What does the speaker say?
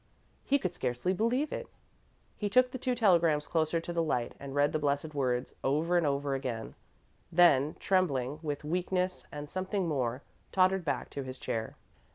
He could scarcely believe it. He took the two telegrams closer to the light, and read the blessed words over and over again, then, trembling with weakness and something more, tottered back to his chair.